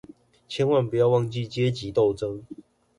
千萬不要忘記階級鬥爭